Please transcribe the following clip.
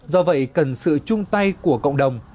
do vậy cần sự chung tay của cộng đồng